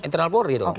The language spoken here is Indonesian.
internal polri dong